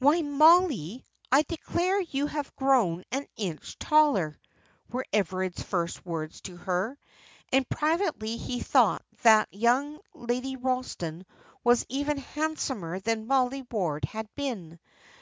"Why, Mollie, I declare you have grown an inch taller," were Everard's first words to her; and privately he thought that young Lady Ralston was even handsomer than Mollie Ward had been.